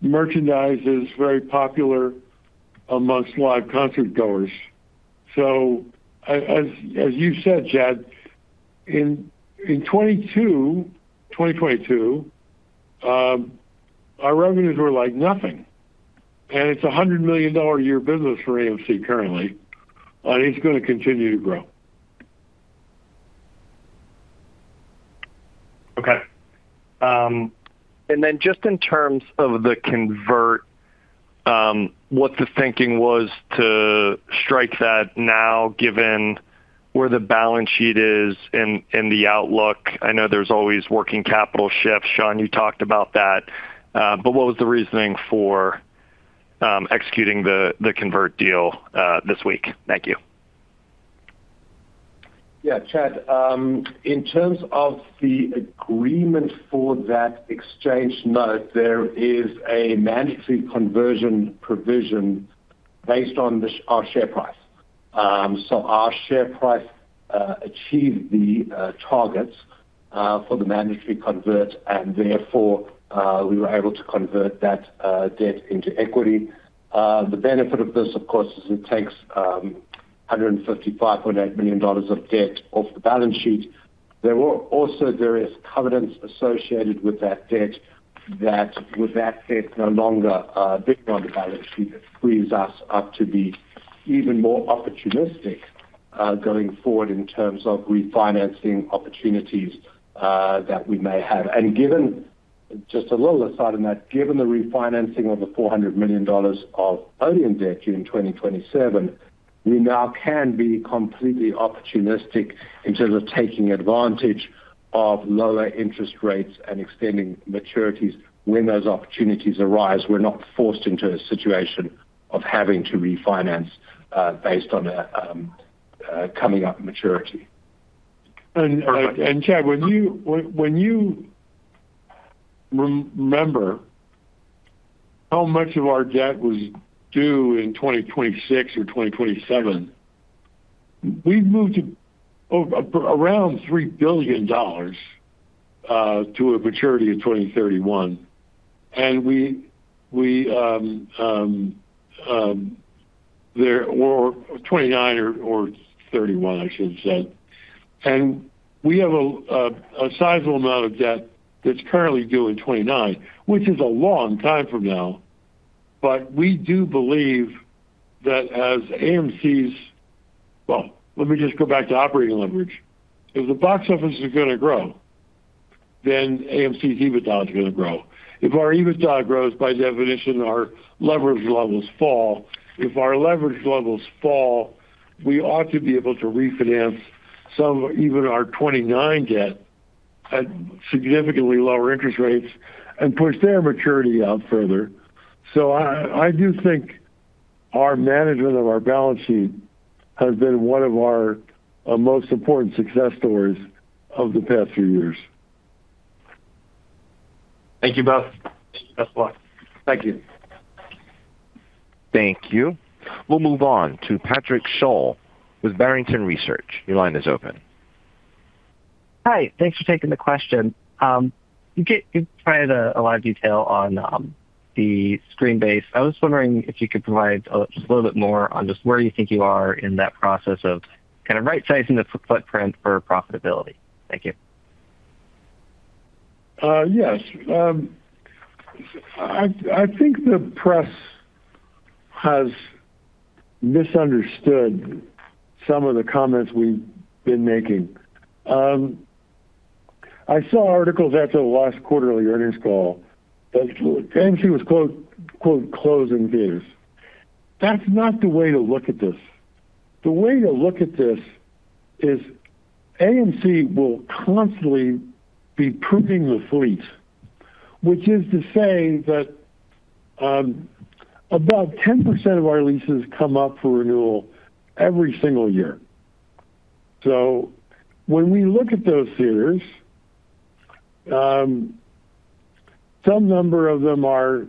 merchandise is very popular amongst live concertgoers. As you said, Chad, in 2022, our revenues were nothing, it's a $100 million a year business for AMC currently, and it's gonna continue to grow. Okay. Just in terms of the convert, what the thinking was to strike that now given where the balance sheet is and the outlook. I know there's always working capital shifts. Sean, you talked about that. What was the reasoning for executing the convert deal this week? Thank you. Yeah. Chad, in terms of the agreement for that exchange note, there is a mandatory conversion provision based on our share price. Our share price achieved the targets for the mandatory convert. Therefore, we were able to convert that debt into equity. The benefit of this, of course, is it takes $155.8 million of debt off the balance sheet. There were also various covenants associated with that debt, with that debt no longer being on the balance sheet, it frees us up to be even more opportunistic going forward in terms of refinancing opportunities that we may have. Given, just a little aside on that, given the refinancing of the $400 million of owing debt due in 2027, we now can be completely opportunistic in terms of taking advantage of lower interest rates and extending maturities when those opportunities arise. We're not forced into a situation of having to refinance, based on a coming up maturity. Chad, when you remember how much of our debt was due in 2026 or 2027, we've moved around $3 billion to a maturity of 2031. Or 2029 or 2031, I should say. We have a sizable amount of debt that's currently due in 2029, which is a long time from now. We do believe that as AMC's well, let me just go back to operating leverage. If the box office is gonna grow, AMC's EBITDA is gonna grow. If our EBITDA grows, by definition, our leverage levels fall. If our leverage levels fall, we ought to be able to refinance some, even our 2029 debt, at significantly lower interest rates and push their maturity out further. I do think our management of our balance sheet has been one of our most important success stories of the past few years. Thank you both. That's fine. Thank you. Thank you. We'll move on to Patrick Sholl with Barrington Research. Your line is open. Hi. Thanks for taking the question. You provided a lot of detail on the screen-based. I was wondering if you could provide a just a little bit more on just where you think you are in that process of kind of right-sizing the footprint for profitability. Thank you. Yes. I think the press has misunderstood some of the comments we've been making. I saw articles after the last quarterly earnings call that AMC was, quote, "closing theaters." That's not the way to look at this. The way to look at this is AMC will constantly be pruning the fleet, which is to say that, above 10% of our leases come up for renewal every single year. When we look at those theaters, some number of them are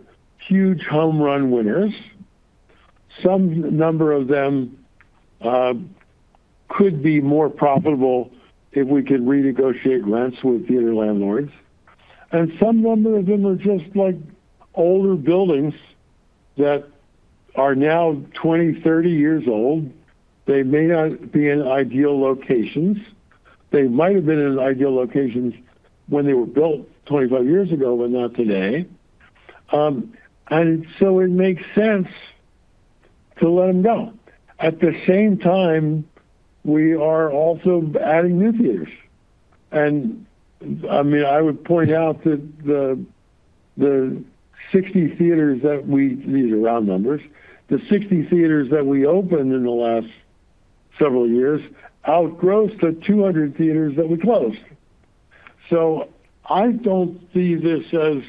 huge home run winners, some number of them could be more profitable if we could renegotiate rents with theater landlords, and some number of them are just, like, older buildings that are now 20, 30 years old. They may not be in ideal locations. They might have been in ideal locations when they were built 25 years ago, but not today. It makes sense to let them go. At the same time, we are also adding new theaters. I mean, I would point out that the 60 theaters that we, these are round numbers. The 60 theaters that we opened in the last several years outgross the 200 theaters that we closed. I don't see this as,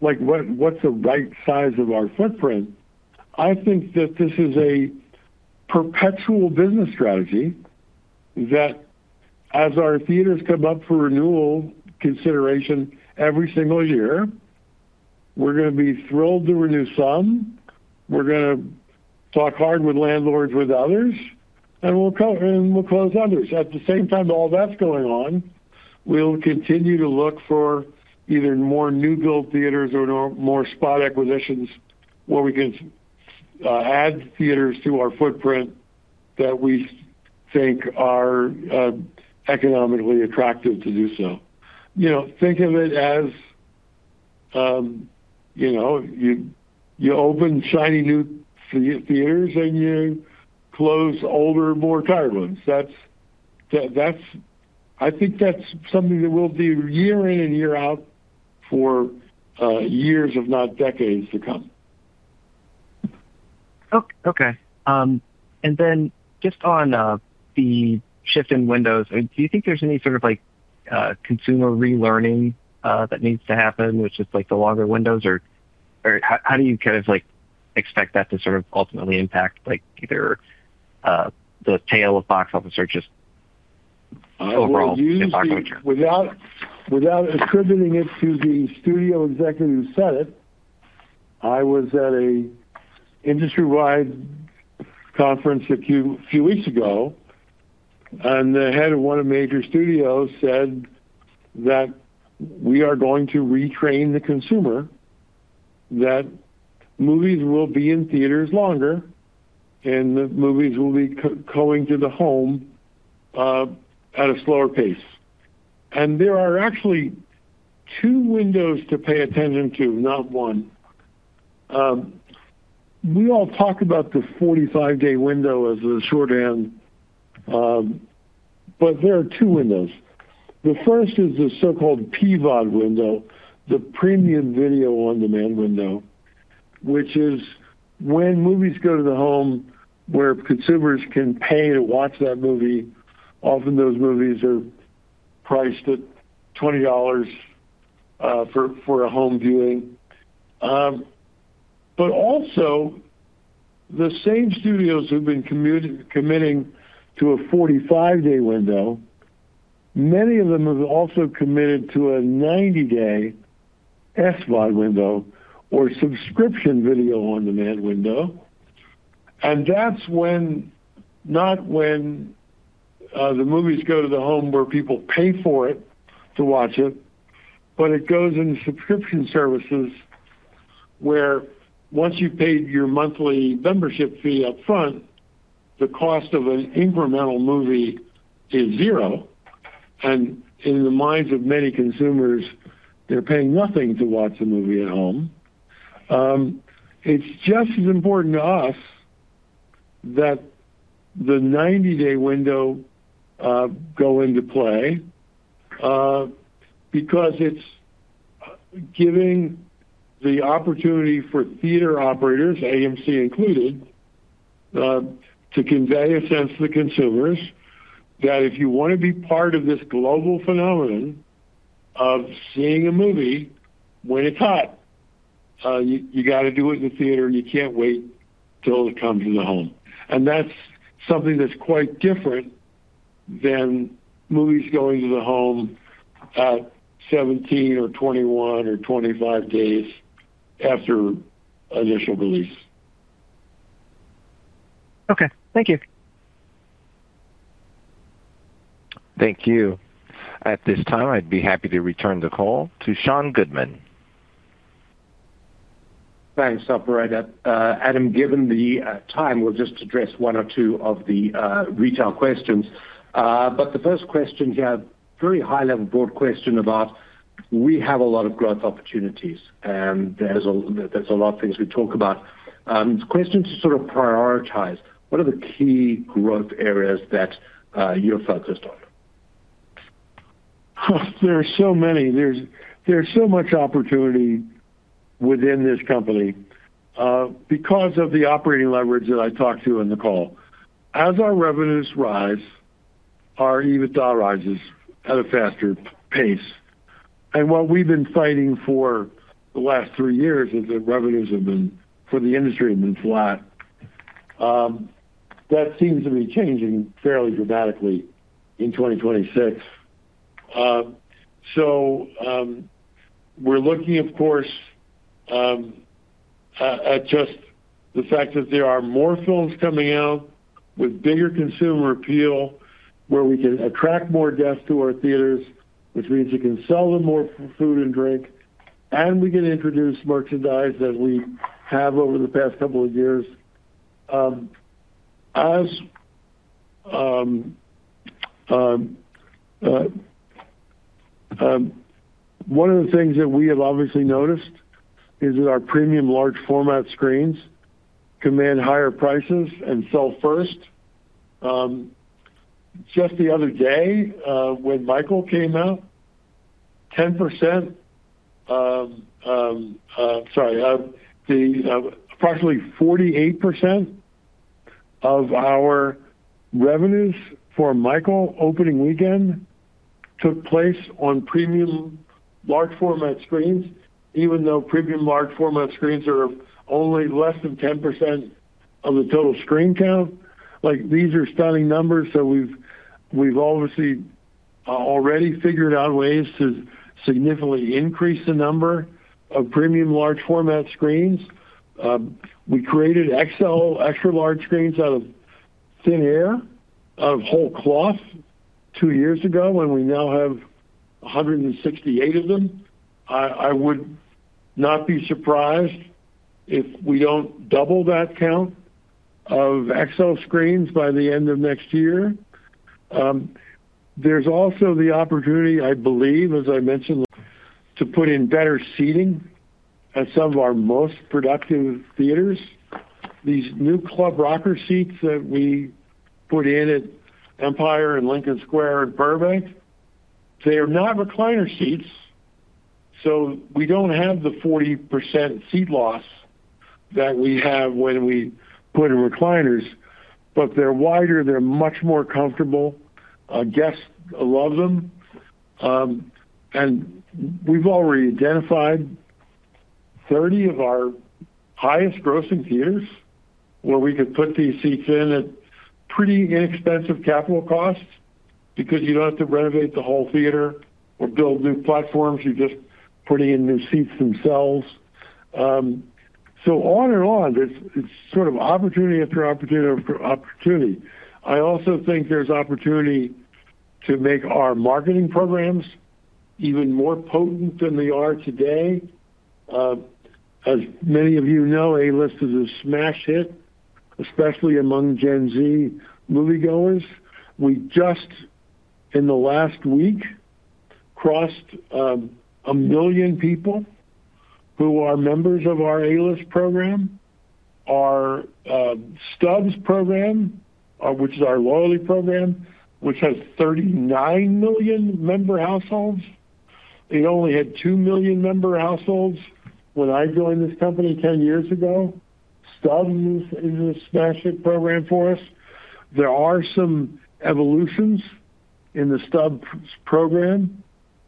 like, what's the right size of our footprint. I think that this is a perpetual business strategy that as our theaters come up for renewal consideration every single year, we're gonna be thrilled to renew some, we're gonna talk hard with landlords with others, and we'll close others. At the same time all that's going on, we'll continue to look for either more new build theaters or more spot acquisitions where we can add theaters to our footprint that we think are economically attractive to do so. You know, think of it as, you know, you open shiny new theaters and you close older, more tired ones. That's I think that's something that we'll do year in and year out for years, if not decades to come. Okay. Just on the shift in windows, do you think there's any sort of like consumer relearning that needs to happen with just, like, the longer windows? Or how do you kind of like expect that to sort of ultimately impact like either the tail of box office or just overall- I will use the. in our future? Without attributing it to the studio executive who said it, I was at a industry-wide conference a few weeks ago, the head of one of major studios said that we are going to retrain the consumer, that movies will be in theaters longer and the movies will be going to the home at a slower pace. There are actually two windows to pay attention to, not one. We all talk about the 45-day window as a shorthand, but there are two windows. The first is the so-called PVOD window, the premium video-on-demand window, which is when movies go to the home where consumers can pay to watch that movie. Often, those movies are priced at $20 for a home viewing. Also the same studios who've been committing to a 45-day window, many of them have also committed to a 90-day SVOD window or subscription video-on-demand window, that's when not when the movies go to the home where people pay for it to watch it, but it goes into subscription services where once you've paid your monthly membership fee up front, the cost of an incremental movie is zero. In the minds of many consumers, they're paying nothing to watch a movie at home. It's just as important to us that the 90-day window go into play because it's giving the opportunity for theater operators, AMC included, to convey a sense to the consumers that if you wanna be part of this global phenomenon of seeing a movie when it's hot, you gotta do it in the theater and you can't wait till it comes in the home. That's something that's quite different than movies going to the home at 17 or 21 or 25 days after initial release. Okay. Thank you. Thank you. At this time, I'd be happy to return the call to Sean Goodman. Thanks, operator. Adam, given the time, we'll just address one or two of the retail questions. The first question here, very high level broad question about we have a lot of growth opportunities, and there's a lot of things we talk about. The question to sort of prioritize, what are the key growth areas that you're focused on? There are so many. There's so much opportunity within this company because of the operating leverage that I talked to in the call. As our revenues rise, our EBITDA rises at a faster pace. What we've been fighting for the last three years is that revenues have been, for the industry, have been flat. That seems to be changing fairly dramatically in 2026. We're looking, of course, at just the fact that there are more films coming out with bigger consumer appeal, where we can attract more guests to our theaters, which means you can sell them more food and drink, and we can introduce merchandise as we have over the past couple of years. As one of the things that we have obviously noticed is that our premium large format screens command higher prices and sell first. Just the other day, when Michael came out, 10%, sorry, the approximately 48% of our revenues for Michael opening weekend took place on premium large format screens, even though premium large format screens are only less than 10% of the total screen count. Like, these are stunning numbers. We've obviously already figured out ways to significantly increase the number of premium large format screens. We created XL, extra large screens out of thin air, out of whole cloth two years ago, and we now have 168 of them. I would not be surprised if we don't double that count of XL screens by the end of next year. There's also the opportunity, I believe, as I mentioned, to put in better seating at some of our most productive theaters. These new Club Rocker seats that we put in at Empire and Lincoln Square and Burbank, they are not recliner seats, so we don't have the 40% seat loss that we have when we put in recliners, but they're wider, they're much more comfortable, guests love them. And we've already identified 30 of our highest grossing theaters where we could put these seats in at pretty inexpensive capital costs because you don't have to renovate the whole theater or build new platforms. You're just putting in new seats themselves. On and on. It's sort of opportunity after opportunity after opportunity. I also think there's opportunity to make our marketing programs even more potent than they are today. As many of you know, A-List is a smash hit, especially among Gen Z moviegoers. We just, in the last week, crossed 1 million people who are members of our A-List program. Our Stubs program, which is our loyalty program, which has 39 million member households. It only had 2 million member households when I joined this company 10 years ago. Stubs is a smashing program for us. There are some evolutions in the Stubs program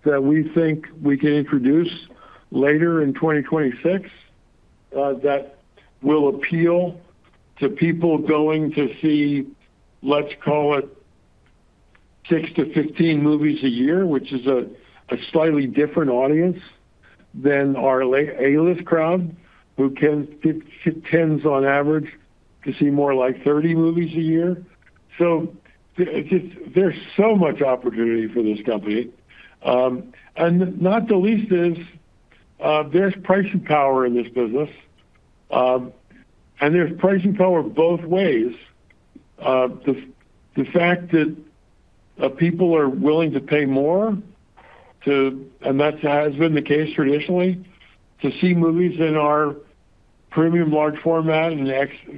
that we think we can introduce later in 2026 that will appeal to people going to see, let's call it six to 15 movies a year, which is a slightly different audience than our A-List crowd, who tends on average to see more like 30 movies a year. It's there's so much opportunity for this company. Not the least is there's pricing power in this business. There's pricing power both ways. The fact that people are willing to pay more to that has been the case traditionally, to see movies in our premium large format and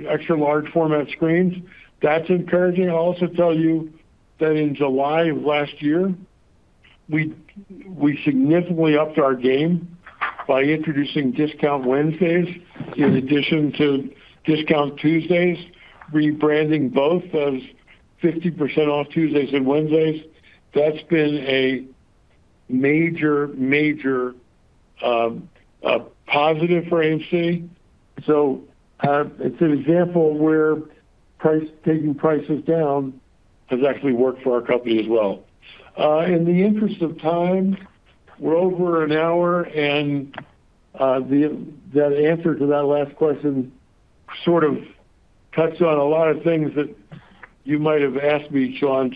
extra large format screens. That's encouraging. I'll also tell you that in July of last year, we significantly upped our game by introducing Discount Wednesdays in addition to Discount Tuesdays, rebranding both as 50% off Tuesdays and Wednesdays. That's been a major positive for AMC. It's an example where taking prices down has actually worked for our company as well. In the interest of time, we're over an hour, and that answer to that last question sort of touched on a lot of things that you might have asked me, Sean.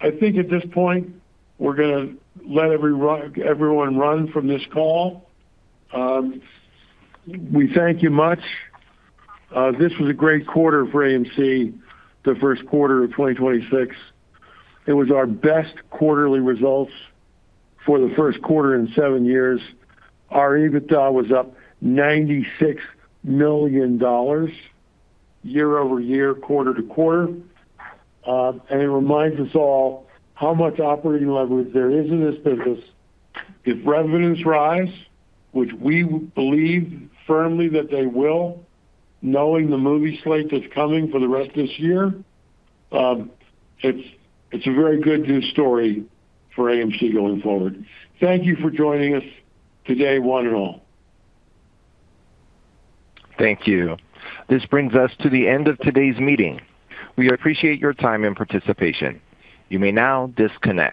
I think at this point we're gonna let everyone run from this call. We thank you much. This was a great quarter for AMC, the first quarter of 2026. It was our best quarterly results for the first quarter in seven years. Our EBITDA was up $96 million year-over-year, quarter-to-quarter. It reminds us all how much operating leverage there is in this business. If revenues rise, which we believe firmly that they will, knowing the movie slate that's coming for the rest of this year, it's a very good news story for AMC going forward. Thank you for joining us today, one and all. Thank you. This brings us to the end of today's meeting. We appreciate your time and participation. You may now disconnect.